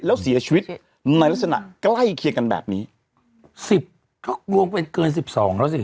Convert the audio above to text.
แล้วเสียชีวิตในลักษณะใกล้เคียงกันแบบนี้สิบก็รวมเป็นเกินสิบสองแล้วสิ